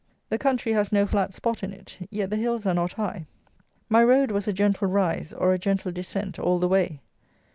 The country has no flat spot in it; yet the hills are not high. My road was a gentle rise or a gentle descent all the way.